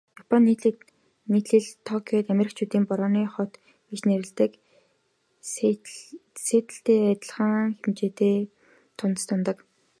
Японы нийслэл Токиод Америкчуудын Борооны хот гэж нэрлэдэг Сиэтллтэй адил хэмжээний тунадас унадаг.